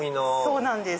そうなんです。